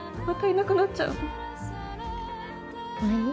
またいなくなっちゃうの？